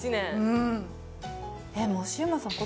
うん。